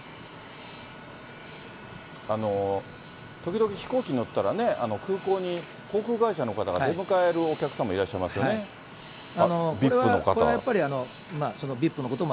ときどき飛行機に乗ったら、空港に、航空会社の方が出迎えるお客さんもいらっしゃいますよね、ＶＩＰの方は。